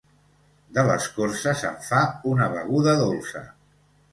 De l'escorça se'n fa una beguda dolça.